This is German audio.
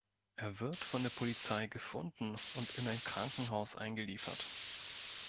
Er wird von der Polizei gefunden und in ein Krankenhaus eingeliefert.